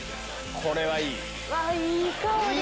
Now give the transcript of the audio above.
これはいい！